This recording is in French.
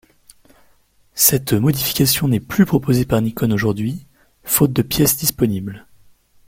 Cette modification n'est plus proposée par Nikon aujourd'hui faute de pièces disponibles.